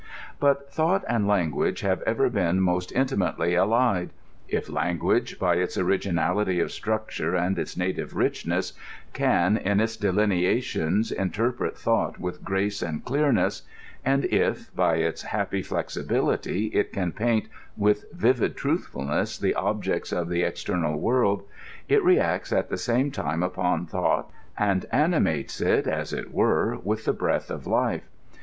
But thought and language have ever been most intimately allied. If language, by its originality of structure and its native richness, can, in its delineations, interpret thought with grace and clearness, and if, by its happy flexibility, it can paint with vivid truthfulness the objects of the external world, it reacts at the same time upon thought, and animates it, as it were, with the breath of life.